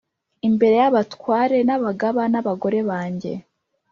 imbere yabatware nabagaba nabagore banjye"